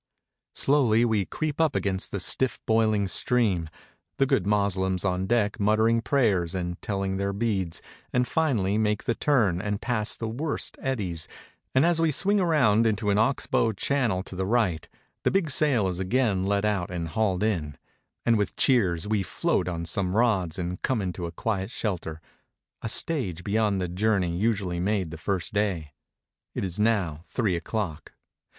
Slowly we creep up against the stiff boiling stream, the good Moslems on deck muttering prayers and telling their beads, and finally make the turn and pass the worst eddies; and as we swing round into an ox bow channel to the right, the big sail is again let out and hauled in, and with cheers we float on some rods and come into a quiet shelter, a stage beyond the journey usually made the first day. It is now three o'clock.